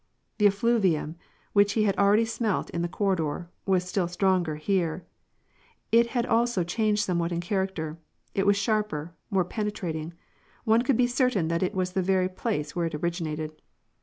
The effluvium, which he had already smelt in the cor^ ridor, was still strongei* here. It had also changed somewhat in character : it was sharper, more penetrating, one could be certain that this was the very place where it originated.